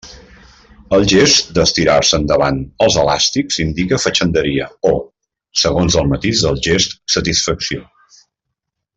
El gest d'estirar-se endavant els elàstics indica fatxenderia o, segons el matís del gest, satisfacció.